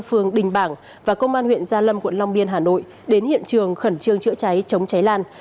phường đình bảng và công an huyện gia lâm quận long biên hà nội đến hiện trường khẩn trương chữa cháy chống cháy lan